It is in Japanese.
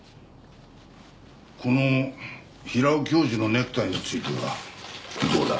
この平尾教授のネクタイについてはどうだ？